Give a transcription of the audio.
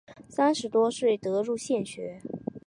三十多岁得入县学。